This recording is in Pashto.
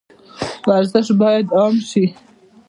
ورزش باید عام شي